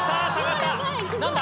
何だ？